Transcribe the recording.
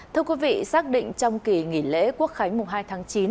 thưa quý vị xác định trong kỳ nghỉ lễ quốc khánh mùng hai tháng chín